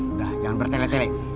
udah jangan bertelek telek